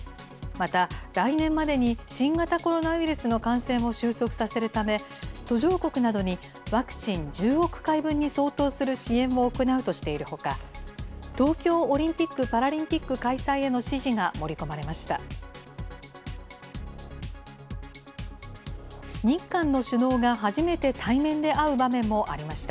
また、来年までに新型コロナウイルスの感染を収束させるため、途上国などにワクチン１０億回分に相当する支援を行うとしているほか、東京オリンピック・パラリンピック開催への支持が盛り込まれました。